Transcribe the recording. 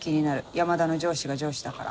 山田の上司が上司だから。